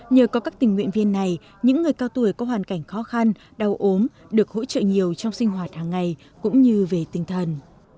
nhờ có các tình nguyện viên này những người cao tuổi có hoàn cảnh khó khăn đau ốm được hỗ trợ nhiều trong sinh hoạt hàng ngày cũng như về tinh thần